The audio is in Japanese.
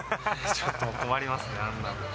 ちょっと困りますね、あんな。